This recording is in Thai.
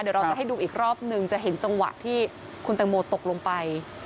เดี๋ยวเราจะให้ดูอีกรอบนึงจะเห็นจังหวะที่คุณแตงโมตกลงไป